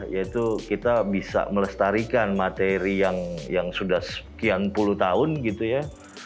yaitu kita bisa melestarikan materi yang sudah sekian puluh tahun gitu ya